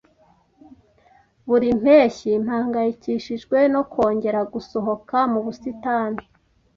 Buri mpeshyi mpangayikishijwe no kongera gusohoka mu busitani.